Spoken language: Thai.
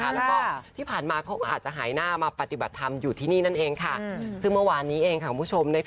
แล้วก็ที่ผ่านมาเขาก็อาจจะหายหน้ามาปฏิบัติธรรมอยู่ที่นี่นั่นเองค่ะ